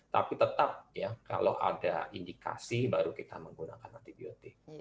tapi tetap ya kalau ada indikasi baru kita menggunakan antibiotik